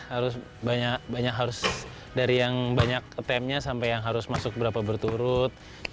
harus banyak banyak harus dari yang banyak timenya sampai yang harus masuk berapa berturut